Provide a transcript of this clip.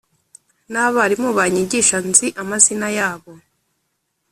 n abarimu banyigisha Nzi amazina yabo